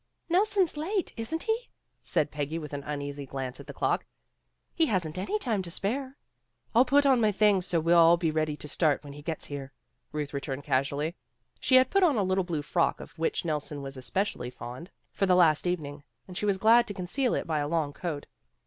" Nelson's late, isn't he?" said Peggy with an uneasy glance at the clock. "He hasn't any time to spare." "I'll put on my things so we'll all be ready to start when he gets here," Ruth returned casually. She had put on a little blue frock, of which Nelson was especially fond, for the last evening, and she was glad to conceal it by a long coat.